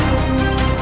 aku akan menang